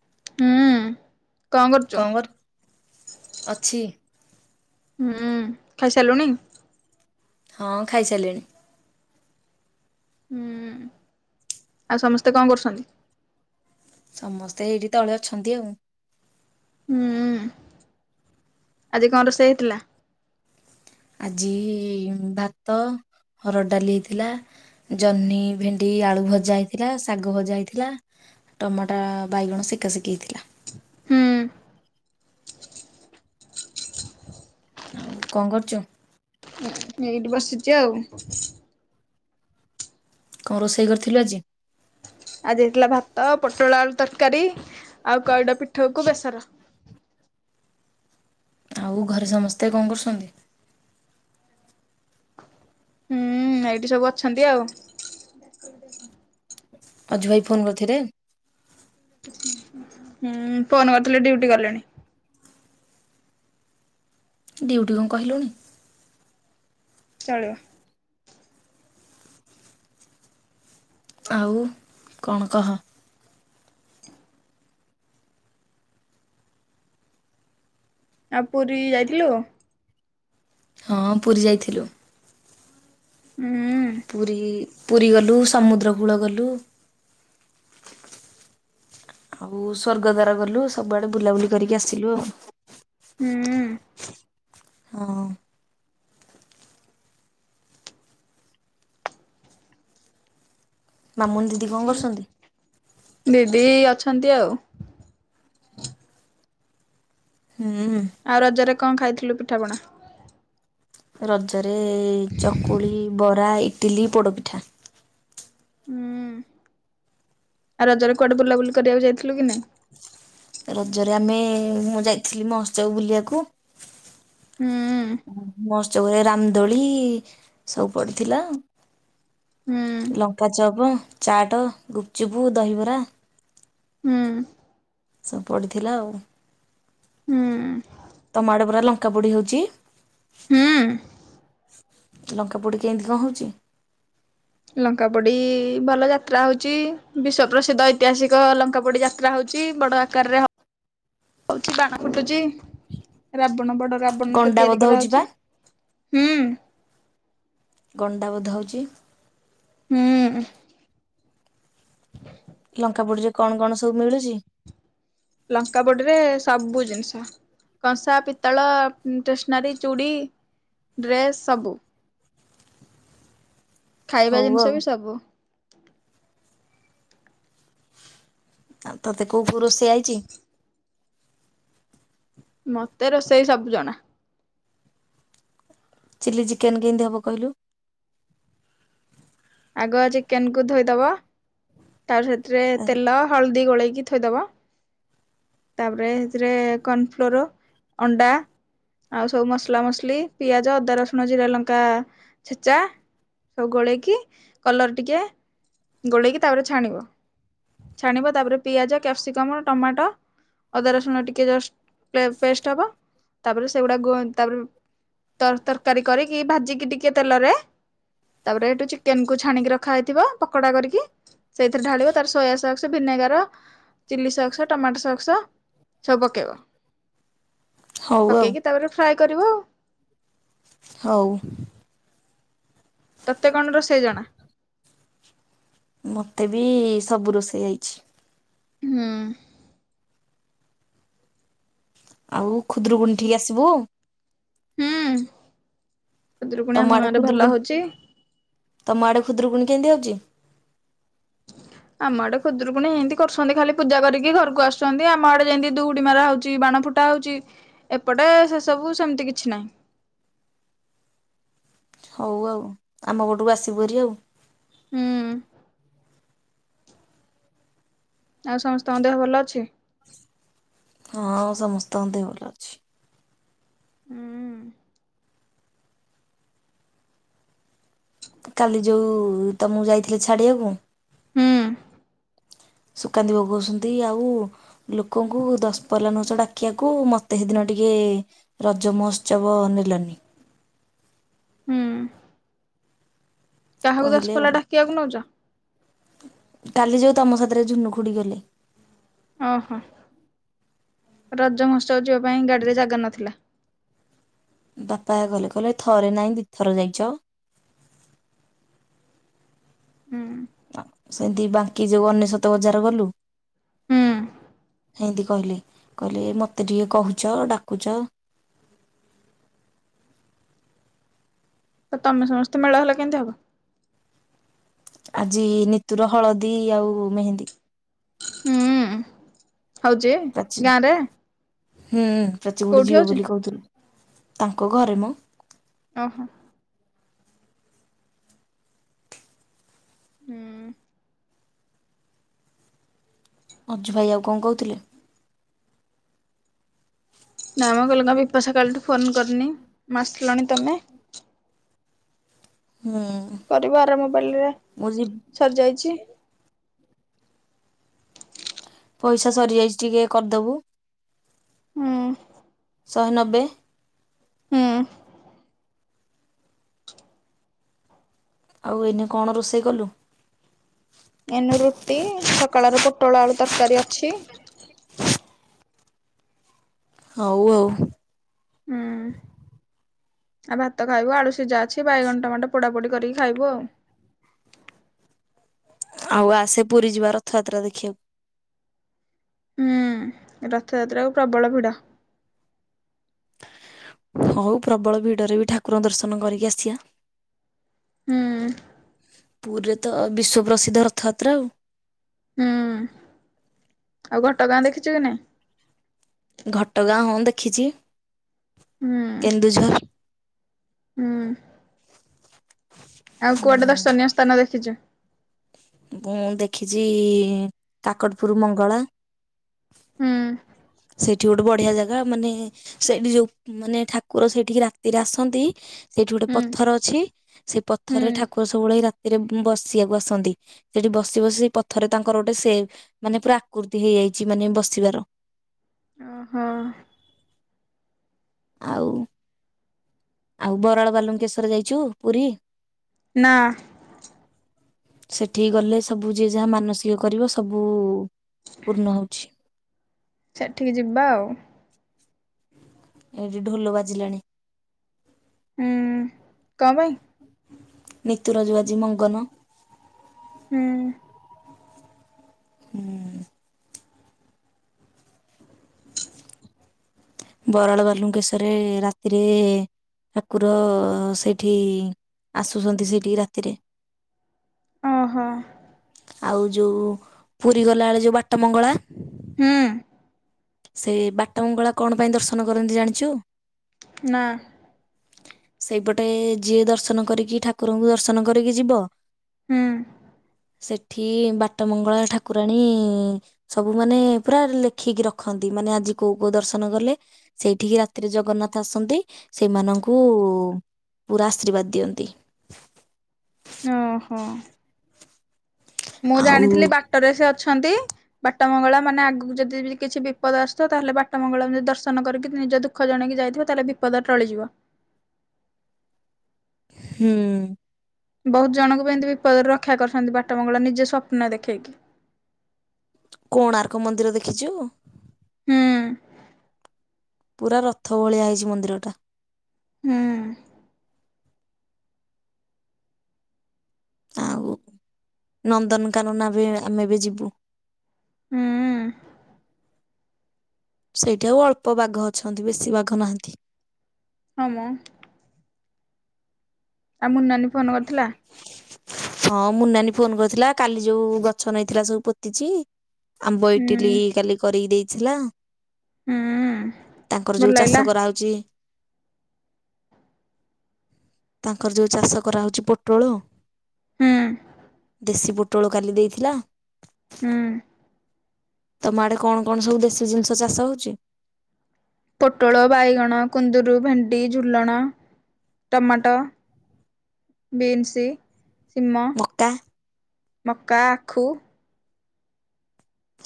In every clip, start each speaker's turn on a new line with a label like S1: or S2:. S1: ହୁଁ।
S2: କଣ କରଣ ଅଛି ।
S1: ହୁଁ ଖାଇସିଲୁଣିି?
S2: ହଁ ଖାଇସାରିଲିଣି।
S1: ହୁଁ ଆଉ ସମସ୍ତେ କଣ କରୁଛନ୍ତି?
S2: ସମସ୍ତେ ଏଇଠି ତଳେ ଅଛନ୍ତି ଆଉ।
S1: ହୁଁ। ଆଜି କଂ ରୋସେଇ ହେଇଥିଲା?
S2: ଆଜି ଭାତ ହରଡ଼ ଡାଲି ହେଇଥିଲା ଜହ୍ନି ଭେଣ୍ଡି ଆଳୁ ଭଜା ହେଇଥିଲା ଶାଗ ଭଜା ହେଇଥିଲା ଟମାଟା ବାଇଗଣ ସେକାା ସେେକି ହେଇଥିଲା ।
S1: ହୁଁ
S2: ଆଉ କଣ କରୁଛ ।
S1: ଏଇଠି ବସିଛି ଆଉ।
S2: କଣ ରୋଷେଇ କରିଥିଲୁ ଆଜି?
S1: ଆଜିାଇଥିଲା ଭାତ ପୋଟଳ ଆ ତରକାରୀ ଆଉ କଡା ପିଠୁଉ କୁ ବେସର।
S2: ଆଉ ଘରେ ସମସ୍ତେ କଣ କରୁଛନ୍ତି?
S1: ହୁଁ ଏଇଠି ସବୁ ଅଛନ୍ତି ଆଉ।
S2: ଅଜୁ ଭାଇ ଫୋନ୍ କରିଥିଲେ?
S1: ହୁଁ ଫୋନ କରିଥିଲ ଡ୍ୟୁଟି ଗଲେଣି।
S2: ଡିଉଟି କଣ କହିଲୁଣି?
S1: ଚଳିଵ।
S2: ଆଉ କଣ କହ?
S1: ଆ ପୁରୀ ଯାଇଥିଲୁ?
S2: ହଁ ପୁରୀ ଯାଇଥିଲୁ।
S1: ହୁଁ
S2: ପୁରୀ ପୁରୀ ଗଲୁ ସମୁଦ୍ରକୂଳ ଗଲୁ ଆଉ ସ୍ଵର୍ଗଦ୍ୱାର ଗଲୁ । ସବୁଆଡେ ବୁଲାବୁଲି କରିକି ଆସିଲୁ ଆଉ ।
S1: ହୁଁ ।
S2: ଅମ ମାମୁନି ଦିଦି କଣ କରୁଛନ୍ତି?
S1: ଦିଦି ଅଛନ୍ତି ଆଉ।
S2: ହୁଁ।
S1: ଆଉ ରଜରେ କଣ ଖାଇଥିଲୁ ପିଠାପଣା?
S2: ରଜ ରେ ଚକୁଳି ବରା ଇ ଡିଲି ପୋଡ଼ପିଠା
S1: ହୁଁ ଆ ରଜରେ କୁଆଡେ ବୁଲାବୁଲି କରିବାକୁ ଯାଇଥିଲୁ କି ନାଇଁ?
S2: ରଜରେ ଆମେ ମୁଁ ଯାଇଥିଲି ମହୋତ୍ସବ ବୁଲିବାକୁ ।
S1: ହୁଁ
S2: ମହୋତ୍ସ ଚଉରାରେ ରାମଦୋଳି ସବୁପଡ଼ିଥିଲା।
S1: ହୁଁ
S2: ଲଙ୍କା ଚପ ଚାଟ, ଗୁପଚୁପୁ, ଦହିବରା
S1: ହୁଁ
S2: ସବୁ ପଡିଥିଲା ଆଉ।
S1: ହୁଁ
S2: ତମ ଆଡେ ପରା ଲଙ୍କା ପୋଡି ହଉଛି।
S1: ହୁଁ।
S2: ଲଙ୍କା ପୋଡି କେମିତି କଣ ହଉଛି?
S1: ଲଙ୍କା ପୋଡି ଭଲ ଯାତ୍ରା ହଉଛି। ବିଶ୍ଵ ପ୍ରସିଦ୍ଧ ଐତିହାସିକ ଲଙ୍କା ପୋଡି ଯାତ୍ରା ହଉଛି। ବଡ ଆକାରରେ ହଉଛି ବାଣ ଫୁଟୁଛି। ବଡ ରାବଣ ଟେ
S2: ଗଣ୍ଡା
S1: ତିଆରି
S2: ବୋଧ ହଉଛି ବା।
S1: କରାହେଉଛି। ହୁଁ।
S2: ଗଣ୍ଡା ବଧ ହଉଛି।
S1: ହୁଁ।
S2: ଲଙ୍କା ପୋଡିରେ କଣ କଣ ସବୁ ମିଳୁଛି?
S1: ଲଙ୍କା ପୋଡ଼ିରେ ସବୁ ଜିନିଷ କଂସା, ପିତ୍ତଳ, ଷ୍ଟେସନାରୀ, ଚୁଡ଼ି, ଡ୍ରେସ୍ ସବୁ। ଖାଇବା
S2: ହଉ ଆଉ।
S1: ଜିନିଷ ବି ସବୁ । [unintelligible]
S2: ଆଉ ତତେ କୋଉ ଫୋଉ ରୋଷେଇ ଆଇଛି?
S1: ମତେ ରୋଷେଇ ସବୁ ଜଣା।
S2: ଚିଲ୍ଲି ଚିକେନ କେମିତି ହବ କହିଲୁ?
S1: ଆଗ ଚିକେନକୁୁ ଧୋଇଦବ ତାପରେ ସେଥିରେ ତେଲ ହଳଦୀ ଗୋଳେଇକି କି ଥୋଇ ଦବ। ତାପରେ ସେଥିରେ କର୍ଣ୍ଣଫ୍ଲୋର, ଅଣ୍ଡା ଆଉ ସବୁ ମସଲା ମସଲି, ପିଆଜ, ଅଦା, ରସୁଣ, ଜିରା, ଲଙ୍କା ଛେଚା। ସବୁ ଗୋଳେଇକି କଲର୍ ଟିକେ ଗୋଳେଇକି ତାପରେ ଛାଣିବ। ଛାଣିବ ତାପରେ ପିଆଜ, କ୍ୟାପ୍ସିକମ୍, ଟମାଟ ଅଦା ରସୁଣ ଟିକେ ଜଷ୍ଟ ପେ-ପେଷ୍ଟ ହବ। ତାପରେ ସେଗୁଡା ଗ-ତାପରେ ତର୍-ତରକାରୀ କରିକି ଭାଜିକି ଟିକେ ତେଲରେ ତାପରେ ସେଠୁ ଚିକେନକୁୁ ଛାଣିକି ରଖା ହେଇଥିବ ପକୋଡା କରିକି ସେଇଥିରେ ଢାଳିବ। ତାପରେ ସୋୟାସକ୍ସ, ଭିନେଗାର, ଚିଲିସକ୍ସ ଟମାଟୋ ସକ୍ ସ ସବୁ ପକେଇବ।
S2: ହଉ ଆଉ
S1: ପକେଇକି ତାପରେ ଫ୍ରାଏ କରିବ ଆଉ।
S2: ହଉ।
S1: ତତେ କଣ ରୋଷେଇ ଜଣା?
S2: ମତେ ବି ସବୁ ରୋଷେଇ ଆଇଛି।
S1: ହୁଁ।
S2: ଆଉ ଖୁଦୁରୁକୁଣୀ ଠିକି ଆସିବୁ?
S1: ହୁଁ। ଖୁଦୁରୁକୁଣୀ
S2: ତମ
S1: ଆମ
S2: ଆଡେ
S1: ଗାଁ ରେ ଭଲ
S2: ଖୁଦୁରୁକୁଣୀ
S1: ହଉଚି।
S2: ତମ ଆଡେ ଖୁଦୁରୁକୁଣୀ କେମିତିହଉଛି?
S1: ଆମ ଆଡେ ଖୁଦୁରୁକୁଣୀ ଏମିତି କରୁଛନ୍ତି ଖାଲି ପୂଜା କରିକି ଘରକୁ ଆସୁଛନ୍ତି। ଆମ ଆଡେ ଯେମିତି ଦୁହୁଡି ମରା ହଉଛି ବାଣ ଫୁଟା ହଉଛି ଏପଟେ ସେସବୁ ସେମିତି କିଛି ନାହିଁ।
S2: ହଉ ଆଉ ଆମ ପଟକୁ ଆସିବୁ ଭାରି ଆଉ।
S1: ହୁଁ। ଆଉ ସମସ୍ତଙ୍କ ଦେହ ଭଲ ଅଛି?
S2: ହଁ ସମସ୍ତଙ୍କ ଦେହ ଭଲ ଅଛି।
S1: ହୁଁ
S2: କାଲି ଯୋଉ ତମକୁ ଯାଇଥିଲେ ଛାଡିବାକୁ ସୁକାନ୍ତି କହୁଚନ୍ତି ଆଉ ଲୋକଙ୍କୁ ଦଶପଲା ନଉଚ ଡାକିବାକୁ ମତେ ସେଦିନ ଟିକେ ରଜମହୋତ୍ସବ ନେଲନି।
S1: ହୁଁ। କାହାକୁ
S2: କହିଲେ ଆଉ
S1: ଦଶପଲା ଡାକିବାକୁ ନଉଛ?
S2: କାଲି ଯୋଉ ତମ ସାଥିରେ ଝୁନୁ ଖୁଡ଼ିଗଲେ।
S1: ଓହୋ ରଜମହୋତ୍ସ ଚ ଯିବା ପାଇଁ ଗାଡିରେ ଜାଗା ନଥିଲା।
S2: ବାପା ଗଲେ କହିଲେ ଥରେ ନାହିଁ ଦୁଇଥର ଯାଇଛ।
S1: ହୁଁ
S2: ସେ ଦିବା ଏ ଯେଉ ଅନେଶୋତ ବଜାର ଗଲୁ।
S1: ହୁଁ।
S2: ହେଁ ଦେଖ କହିଲେ କହିଲେ ମତେ ଟିକେ କହୁଛ ଡାକୁଛ।
S1: ତ ତମେ ସମସ୍ତେ ମେଳ ହେଲା କେମିତି ହବ?
S2: ଆଜି ନିତୁର ହଳଦୀ ଆଉ ମେହେନ୍ଦୀ।
S1: ହୁଁ। ହଉଛି
S2: ପ୍ରାଚୀ
S1: ଗାଁରେ।
S2: ହୁଁ। ପ୍ରଚି ହୁଡି ଯିବେ ବୋଲି କହୁଥିଲୁ। ତାଙ୍କ ଘରେ ମ।
S1: ଓହୋ। ହୁଁ।
S2: ଅଜୁ ଭାଇ ଆଉ କଣ କହୁଥିଲେ?
S1: ନାମ ଗଲଙ୍ଗ ବିପାସା କାଲିଠୁ। ଫୋନ କରିନି ମା ଆସିଲାଣି। ତମେ?
S2: ହୁଁ
S1: କରିବ ଆରାମବଲରେ
S2: ମୁଁ ଯି
S1: ସରିଯାଇଛି।
S2: ପଇସା ସରି ଯାଇଛି ଟିକେ କରିଦବୁ।
S1: ହୁଁ।
S2: ଶହେ ନବେ।
S1: ହୁଁ।
S2: ଆଉ ଏଇନେ କଣ ରୋଷେଇ କଲୁ?
S1: ସକାଳ ର ପୋଟଳ ଆଳୁ ତରକାରୀ ଅଛି।
S2: ହଉ ଆଉ।
S1: ହୁଁ। ଆଉ ଭାତ ଖାଇବୁ ଆଳୁ ସିଯା ଅଛି। ଅଛି ବାଇଗଣ ଟମାଟୋ ପୋଡ଼ା ପଡିି କରିକି ଖାଇବୁ ଆଉ।
S2: ଆଉ ଆସେ ପୁରୀ ଯିବା ରଥଯାତ୍ରା ଦେଖିବାକୁ।
S1: ହୁଁ, ରଥଯାତ୍ରାକୁ ପ୍ରବଳ ଭିଡ।
S2: ହଉ ପ୍ରବଳ ଭିଡରେ ବି ଠାକୁରଙ୍କ ଦର୍ଶନ କରିକି ଆସିବା।
S1: ହୁଁ
S2: ପୁରୀରେ ତ ବିଶ୍ଵ ପ୍ରସିଦ୍ଧ ରଥଯାତ୍ରା ଆଉ।
S1: ହୁଁ ଆଉ ଘଟଗାଁ ଦେଖିଛୁ କି ନାହିଁ?
S2: ଘଟଗାଁ ହଁ ଦେଖିଛି।
S1: ହୁଁ
S2: କେନ୍ଦୁଝର।
S1: ହୁଁ ଆଉ କୁଆଡେ
S2: ହୁଁ
S1: ଦର୍ଶନୀୟ ସ୍ଥାନ ଦେଖିଚୁ?
S2: ମୁଁ ଦେଖିଚି କାକଟପୁର ମଙ୍ଗଳା।
S1: ହୁଁ
S2: ସେଇଠି ଗୋଟେ ବଢିଆ ଜାଗା ମାନେ ସେଠି ଯୋଉ ମାନେ ଠାକୁର ସେଇଠିକି ରାତିରେ ଆସନ୍ତି ସେଇଠି ଗୋଟେ
S1: ହୁଁ
S2: ପଥର ଅଛି ସେ
S1: ହୁଁ
S2: ପଥରରେ ଠାକୁର ସବୁବେଳେ ରାତିରେ ବସିବାକୁ ଆସନ୍ତି ସେଠି ବସି ବସି ସେ ପଥରରେ ତାଙ୍କର ଗୋଟେ ସେ ମାନେ ପୁରା ଆକୃତି ହେଇଯାଇଛି ମାନେ ବସିବାର।
S1: ଓହୋ।
S2: ଆଉ ଆଉ ବରାଳ ବାଲୁଙ୍କେଶ୍ୱର ଯାଇଚୁ ପୁରି?
S1: ନା।
S2: ସେଠିକି ଗଲେ ସବୁ ଯିଏ ଯାହା ମାନସିକ କରିବ ସବୁ ପୂର୍ଣ୍ଣ ହୋଉଚି।
S1: ସେଠିକି ଯିବା ଆଉ।
S2: ଏଠି ଢୋଲ ବାଜିଲାଣି।
S1: ହୁଁ କପାଇଁ?
S2: ନିତୁର ଜୋଉ ଆଜି ମଙ୍ଗନ।
S1: ହୁଁ।
S2: ହୁଁ। ବରାଳ ବାଲୁଙ୍କେଶରେ ରାତିରେ ଠାକୁର ସେଇଠି ଆସୁଚନ୍ତି ସେଇଠି କି ରାତିରେ।
S1: ଓହୋ।
S2: ଆଉ ଯେଉଁ ପୁରି ଗଲାବେଳେ ଯେଉଁ ବାଟ ମଙ୍ଗଳା
S1: ହୁଁ
S2: ସେ ବାଟମଙ୍ଗଳା କଣ ପାଇଁ ଦର୍ଶନ କରନ୍ତି ଜାଣିଚୁ?
S1: ନା।
S2: ସେଇପଟେ ଯିଏ ଦର୍ଶନ କରିକି ଠାକୁରଙ୍କୁ ଦର୍ଶନ କରିକି ଯିବ।
S1: ହୁଁ।
S2: ସେଠି ବାଟ ମଙ୍ଗଳା ଠାକୁରାଣୀ ସବୁ ମାନେ ପୁରା ଲେଖିକି ର ଖନ୍ତି ମାନେ ଆଜି କୋଉ କୋଉ ଦର୍ଶନ କଲେ ସେଇଠିକି ରାତିରେ ଜଗନ୍ନାଥ ଆସନ୍ତି ସେମାନଙ୍କୁ ପୁରା ଆଶୀର୍ବାଦ ଦିଅନ୍ତି।
S1: ଓହୋ। ମୁଁ
S2: ଆଉ
S1: ଜାଣିଥିଲି ବାଟରେ ସେ ଅଛନ୍ତି। ବାଟ ମଙ୍ଗଳା ମାନେ ଆଗକୁ ଯଦି କିଛି ବିପଦ ଆସଥିବ ତାହେଲେ ବାଟ ମଙ୍ଗଳାବୀ ଦର୍ଶନ କରିକି ନିଜ ଦୁଃଖ ଜଣେଇକି ଯାଇଥିବ ତାହେଲେ ବିପଦ ଟଳିଯିବ।
S2: ହୁଁ।
S1: ବୋହୁତ ଜଣଙ୍କୁ ବି ଏମିତି ବିପଦରୁ ରକ୍ଷା କରିଚନ୍ତି ବାଟ ମଙ୍ଗଳା ନିଜେ ସ୍ୱପ୍ନ ଦେଖେଇକି।
S2: କୋଣାର୍କ ମନ୍ଦିର ଦେଖିଚୁ?
S1: ହୁଁ।
S2: ପୁରା ରଥ ଭଳିଆ ହେଇଚି ମନ୍ଦିରଟା।
S1: ହୁଁ।
S2: ଆଉ ନନ୍ଦନକାନନା ବି ଆମେ ବି ଯିବୁ।
S1: ହୁଁ।
S2: ସେଇଟା ଆଉ ଅଳ୍ପ ବାଘ ଅଛନ୍ତି ବେଶୀ ବାଘ ନାହାନ୍ତି।
S1: ହଁ ମ। ଆଉ ମୁନ୍ ନାନୀ ଫୋନ କରିଥିଲା?
S2: ହଁ ମୁନ୍ ନାନୀ ଫୋନ କରିଥିଲା କାଲି ଯୋଉ ଗଛ ନେଇଥିଲା ସବୁ ପୋତିଚି। ଆମ୍ବ ଇଟିଲି
S1: ହୁଁ
S2: କାଲି କରି ଦେଇ ଥିଲା।
S1: ହୁଁ
S2: ତାଙ୍କର
S1: ଭଲ
S2: ଯୋଉ ଚାଷ
S1: ଲାଗିଲା
S2: କରା ହୋଉଚି। ତାଙ୍କର ଯୋଉ ଚାଷ କରା ହୋଉଚି ପୋଟୋଳ
S1: ହୁଁ
S2: ଦେଶୀ ବୁଟ, ପୋଟୋଳ ଖାଲି ଦେଇଥିଲା।
S1: ହୁଁ।
S2: ତମ ଆଡେ କଣ କଣ ସବୁ ଦେଶୀ ଜିନିଷ ଚାଷ ହଉଛି?
S1: ପୋଟଳ, ବାଇଗଣ, କୁନ୍ଦୁରୁ, ଭେଣ୍ଡି, ଝୁଲଣ, ଟମାଟୋ, ବିନ୍ସ, ସିମ,
S2: ମକା
S1: ମକା, ଆଖୁ,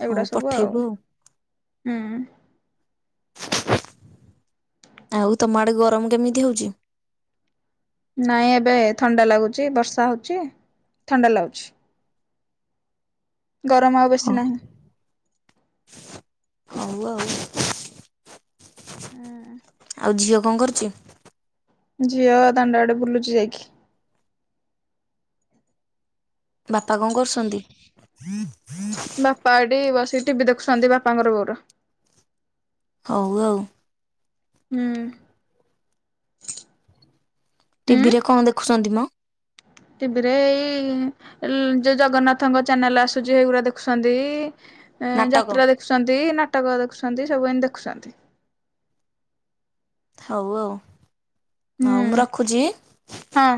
S2: ହଉ
S1: ଏଗୁଡା ସବୁ
S2: ପଠେଇବୁ ଆଉ
S1: ହୁଁ।
S2: ଆଉ ତମ ଆଡେ ଗରମ କେମିତି ହଉଛି?
S1: ନାଇଁ ଏବେ ଥଣ୍ଡା ଲାଗୁଚ ବର୍ଷା ହଉଛି ଥଣ୍ଡା ଲାଗୁଛି। ଗରମ ଆଉ
S2: ହଁ
S1: ବେଶୀ ନାହିଁ।
S2: ହଉ ଆଉ
S1: ହୁଁ
S2: ଆଉ ଝିଅ କଣ କରୁଛି?
S1: ଝିଅ ଦଣ୍ଡ ଆଡେ ବୁଲୁଛି ଯାଇକି
S2: ବାପା କଣ କରୁଛନ୍ତି?
S1: ବାପା ଆଡେ ବସି ଟିଭି ଦେଖୁଛନ୍ତି ବାପାଙ୍କର ବୋଉର।
S2: ହଉ ଆଉ
S1: ହୁଁ। ଉଁ
S2: ଟିଭି ରେ କଣ ଦେଖୁଛନ୍ତି ମ?
S1: ଟିଭିରେ ଏଇ ଯୋଉ ଜଗନ୍ନାଥଙ୍କ ଚ୍ୟାନେଲ ଆସୁଛି ସେଗୁଡା ଦେଖୁଛନ୍ତି,
S2: ନାଟକ
S1: ଯାତ୍ରା ଦେଖୁଛନ୍ତି, ନା କଟକ ଦେଖୁଛନ୍ତି ସବୁ ଏନ ଦେଖୁଛନ୍ତି।
S2: ହଉ ଆଉ।
S1: ହୁଁ
S2: ହଉ ମୁଁ ରଖୁଛି।
S1: ହଁ